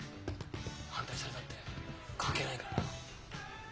反対されたって関係ないからな。